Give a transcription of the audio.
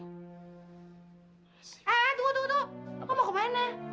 eh tunggu tunggu lo mau ke mana